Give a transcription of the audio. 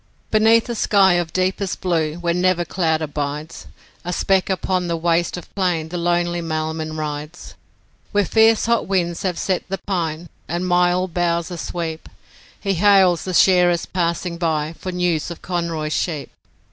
Beneath a sky of deepest blue where never cloud abides, A speck upon the waste of plain the lonely mailman rides. Where fierce hot winds have set the pine and myall boughs asweep He hails the shearers passing by for news of Conroy's sheep.